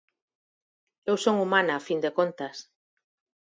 Eu son humana a fin de contas.